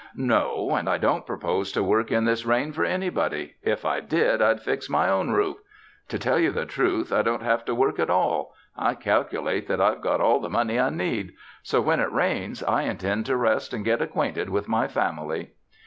"No, and I don't propose to work in this rain for anybody; if I did I'd fix my own roof. To tell you the truth, I don't have to work at all! I calculate that I've got all the money I need. So, when it rains, I intend to rest and get acquainted with my family."